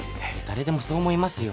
誰でもそう思いますよ。